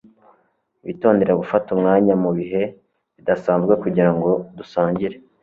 Witondere gufata umwanya mubihe bidasanzwe kugirango dusangire